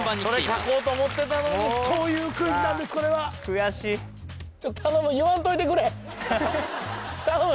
それ書こうと思ってたのにそういうクイズなんですこれは悔しい頼む！